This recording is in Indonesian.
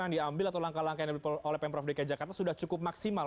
yang diambil atau langkah langkah yang diambil oleh pemprov dki jakarta sudah cukup maksimal